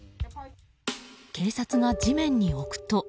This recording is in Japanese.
警察が地面に置くと。